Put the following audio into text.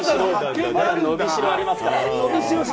伸びしろありますから。